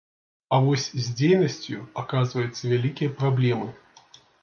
А вось з дзейнасцю, аказваецца, вялікія праблемы.